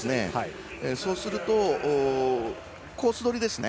そうするとコースどりですね。